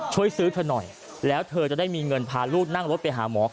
ช่วยซื้อเธอหน่อยแล้วเธอจะได้มีเงินพาลูกนั่งรถไปหาหมอ